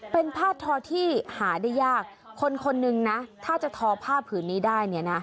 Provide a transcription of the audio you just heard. เป็นผ้าทอที่หาได้ยากคนคนนึงนะถ้าจะทอผ้าผืนนี้ได้เนี่ยนะ